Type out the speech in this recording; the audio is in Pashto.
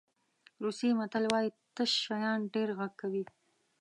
روسي متل وایي تش شیان ډېر غږ کوي.